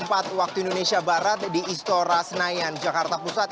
sejak pukul delapan belas empat waktu indonesia barat di istora senayan jakarta pusat